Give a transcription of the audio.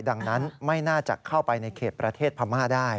ดังนั้นไม่น่าจะเข้าไปในเขตประเทศพม่าได้